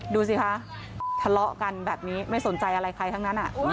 ดูสิคะทะเลาะกันแบบนี้ไม่สนใจอะไรใครทั้งนั้น